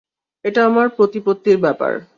এটা আমার প্রতিপত্তির ব্যাপার!